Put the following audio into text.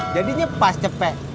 jadinya pas cepeh